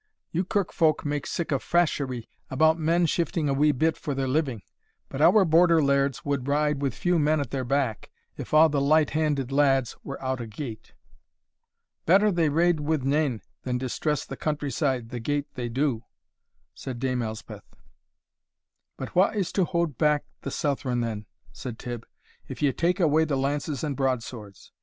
You kirk folk make sic a fasherie about men shifting a wee bit for their living! Our Border lairds would ride with few men at their back, if a' the light handed lads were out o' gate." "Better they rade wi' nane than distress the country side the gate they do," said Dame Elspeth. "But wha is to haud back the Southron, then," said Tibb, "if ye take away the lances and broadswords?